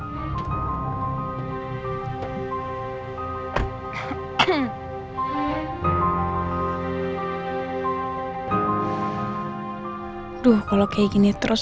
aduh kalau kayak gini terus